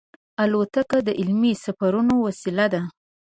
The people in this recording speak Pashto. الوتکه د علمي سفرونو وسیله ده.